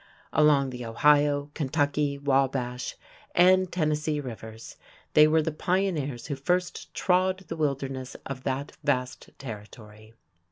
Along the Ohio, Kentucky, Wabash, and Tennessee rivers they were with the pioneers who first trod the wilderness of that vast territory.